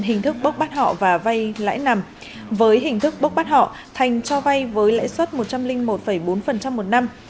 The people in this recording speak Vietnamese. hình thức bốc bắt họ và vay lãi nặng với hình thức bốc bắt họ thành cho vay với lãi suất một trăm linh một bốn một năm